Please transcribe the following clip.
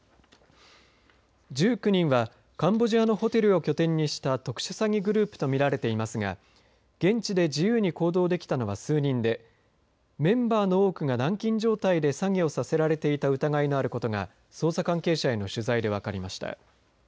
１９人はカンボジアのホテルを拠点にした特殊詐欺グループと見られていますが現地で自由に行動できたのは数人でメンバーの多くが軟禁状態で詐欺をさせられていた疑いがあることが捜査関係者への取材で分かりました。